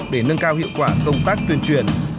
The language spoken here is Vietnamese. để nâng cao hiệu quả công tác tuyên truyền